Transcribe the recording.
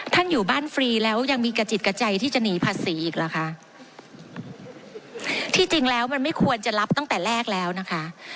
อยู่บ้านฟรีแล้วยังมีกระจิตกระใจที่จะหนีภาษีอีกเหรอคะที่จริงแล้วมันไม่ควรจะรับตั้งแต่แรกแล้วนะคะ